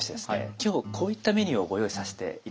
今日こういったメニューをご用意させて頂きました。